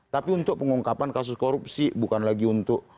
tapi untuk pengungkapan kasus korupsi bukan lagi untuk